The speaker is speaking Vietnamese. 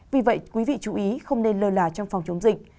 vì vậy quý vị chú ý không nên lơ là trong phòng chống dịch